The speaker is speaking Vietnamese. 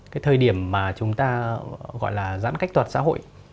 cái thời điểm mà chúng ta gọi là giãn cách toàn xã hội